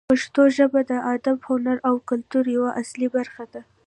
پښتو ژبه د ادب، هنر او کلتور یوه اصلي برخه ده.